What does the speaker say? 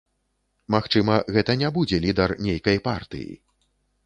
Магчыма, гэта не будзе лідар нейкай партыі.